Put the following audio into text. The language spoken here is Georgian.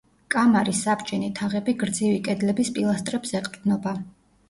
კამარის საბჯენი თაღები გრძივი კედლების პილასტრებს ეყრდნობა.